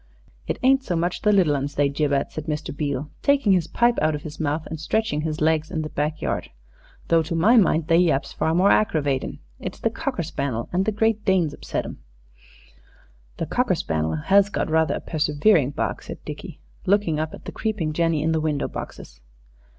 "It ain't so much the little 'uns they jib at," said Mr. Beale, taking his pipe out of his mouth and stretching his legs in the back yard, "though to my mind they yaps far more aggravatin'. It's the cocker spannel and the Great Danes upsets them." "The cocker spannel has got rather a persevering bark," said Dickie, looking up at the creeping jenny in the window boxes.